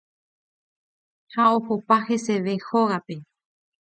ha ohopa heseve hógape.